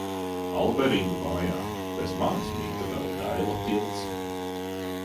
Alberingu mājā bez manis mita vēl Daila Tilts.